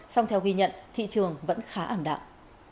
song theo ghi nhận thị trường vẫn khá ảm đạm